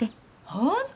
本当！